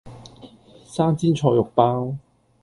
生煎菜肉包